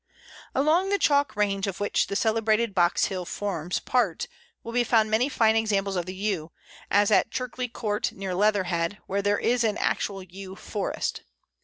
Along the chalk range of which the celebrated Box Hill forms part will be found many fine examples of the Yew, as at Cherkley Court, near Leatherhead, where there is an actual Yew forest.